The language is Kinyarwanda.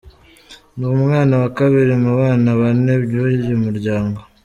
Ni umwana wa kabiri mu bana bane b’uyu muryango.